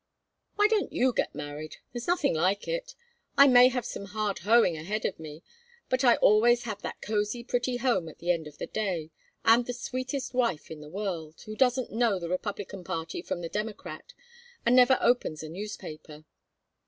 Why don't you get married? There's nothing like it. I may have some hard hoeing ahead of me, but I always have that cosy pretty home at the end of the day, and the sweetest wife in the world who doesn't know the Republican party from the Democrat, and never opens a newspaper.